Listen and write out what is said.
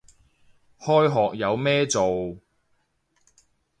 開學有咩做